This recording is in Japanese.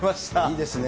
いいですね。